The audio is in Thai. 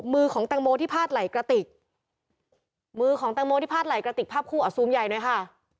มือของแตงโมที่พาดไหล่กระติกมือของแตงโมที่พาดไหล่กระติกภาพคู่อ่ะซูมใหญ่หน่อยค่ะ